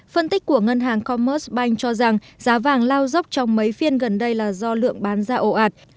phân tích của ngân hàng commerce bank cho rằng giá vàng lao dốc trong mấy phiên gần đây là do lượng bán ra ồ ạt